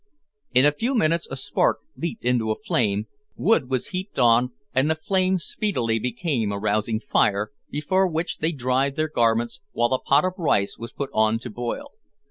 In a few minutes a spark leaped into a flame, wood was heaped on, and the flame speedily became a rousing fire, before which they dried their garments, while a pot of rice was put on to boil.